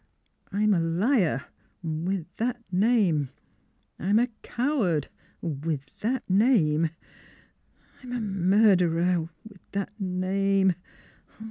I'm a liar with that name. I'm a coward with that name. I'm a murderer with that name.